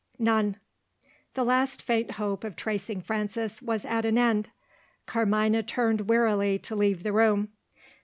"None." The last faint hope of tracing Frances was at an end. Carmina turned wearily to leave the room.